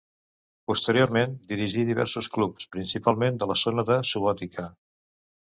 Posteriorment dirigí diversos clubs, principalment de la zona de Subotica.